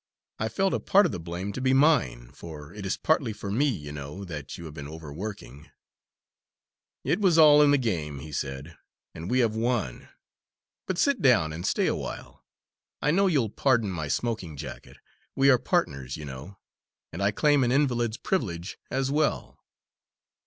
I felt a part of the blame to be mine, for it is partly for me, you know, that you have been overworking." "It was all in the game," he said, "and we have won. But sit down and stay awhile. I know you'll pardon my smoking jacket. We are partners, you know, and I claim an invalid's privilege as well."